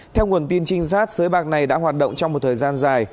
theo nguồn tin trinh sát sới bạc này đã hoạt động trong một thời gian dài